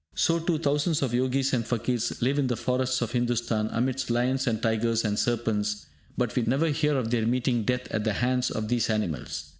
So too, thousands of Yogis and Fakirs live in the forests of Hindustan, amidst lions and tigers and serpents, but we never hear of their meeting death at the hands of these animals.